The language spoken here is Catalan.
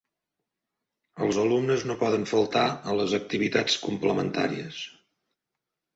Els alumnes no poden faltar a les activitats complementàries.